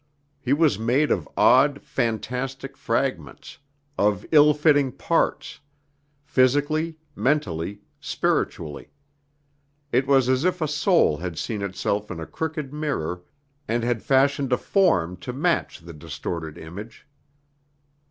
He was made of odd, fantastic fragments, of ill fitting parts physically, mentally, spiritually. It was as if a soul had seen itself in a crooked mirror and had fashioned a form to match the distorted image.